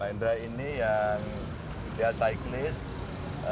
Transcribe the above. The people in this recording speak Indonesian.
pak hendra ini yang dia cyclist